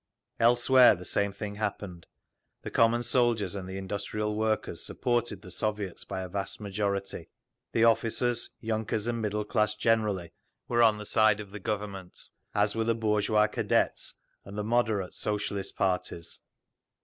Everywhere the same thing happened. The common soldiers and the industrial workers supported the Soviets by a vast majority; the officers, yunkers and middle class generally were on the side of the Government—as were the bourgeois Cadets and the "moderate" Socialist parties.